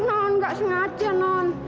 non gak sengaja non